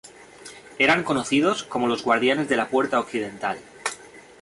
Eran conocidos como los "Guardianes de la Puerta Occidental".